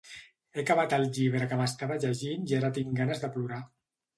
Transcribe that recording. He acabat el llibre que m'estava llegint i ara tinc ganes de plorar.